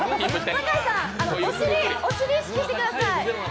酒井さん、お尻意識してください。